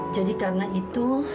jadi karena itu